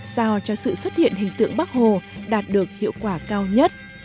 sao cho sự xuất hiện hình tượng bắc hồ đạt được hiệu quả cao nhất